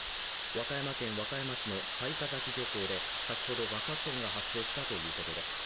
和歌山県和歌山市の雑賀崎漁港で、先ほど爆発音が発生したということです。